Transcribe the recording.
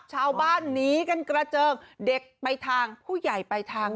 ชาวบ้านหนีกันกระเจิงเด็กไปทางผู้ใหญ่ไปทาง